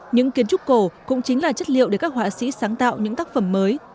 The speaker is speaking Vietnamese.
những kiến trúc cổ cũng chính là chất liệu để các họa sĩ sáng tạo những tác phẩm mới